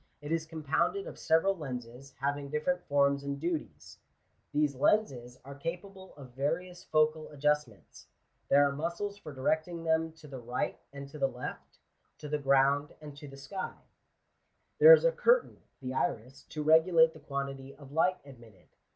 It is compounded of several lenses, having different forms and duties. These lenses are capable of various focal adjustments. There are muscles o o 2 Digitized by VjOOQIC 452 GENERAL CONSIDERATIONS. for directing them to the right and to the left, to the ground and to the sky. There is a curtain (the iris) to regulate the quantity of light admitted.